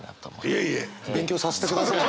いえいえ勉強させてください。